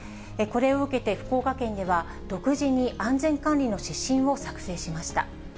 これを受けて、福岡県では独自に安全管理の指針を作成しました。